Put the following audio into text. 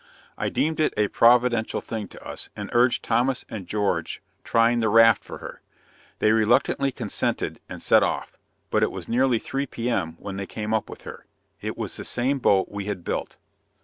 I deemed it a providential thing to us, and urged Thomas and George trying the raft for her. They reluctantly consented and set off, but it was nearly three P.M. when they came up with her it was the same boat we had built!